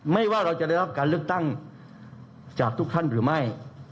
ว่าเราจะได้รับการเลือกตั้งจากทุกท่านหรือไม่